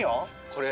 これ。